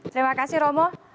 terima kasih romo